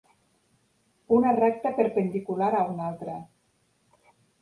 Una recta perpendicular a una altra.